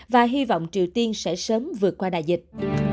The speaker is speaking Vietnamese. và hy vọng triều tiên sẽ sớm vượt qua đại dịch